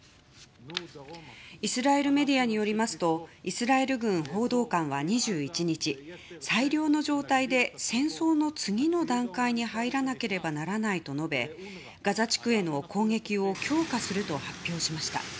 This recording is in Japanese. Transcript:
イスラエルメディアによりますとイスラエル軍報道官は２１日最良の状態で戦争の次の段階に入らなければならないと述べガザ地区への攻撃を強化すると発表しました。